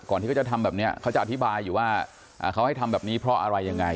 ที่เขาจะทำแบบนี้เขาจะอธิบายอยู่ว่าเขาให้ทำแบบนี้เพราะอะไรยังไง